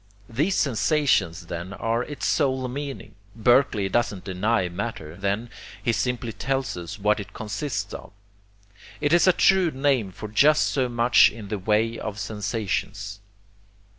These sensations then are its sole meaning. Berkeley doesn't deny matter, then; he simply tells us what it consists of. It is a true name for just so much in the way of sensations.